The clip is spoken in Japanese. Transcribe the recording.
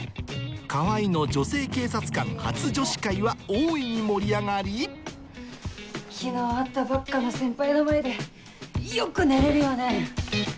川合の女性警察官初女子会は大いに盛り上がり昨日会ったばっかの先輩の前でよく寝れるよね。